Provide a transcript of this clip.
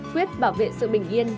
quyết bảo vệ sự bình yên